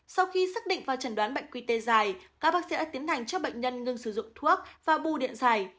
sau khi xác định và trần đoán bệnh quy tê dài các bác sĩ đã tiến hành cho bệnh nhân ngưng sử dụng thuốc và bù điện dài